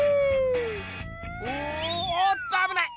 おっとあぶない！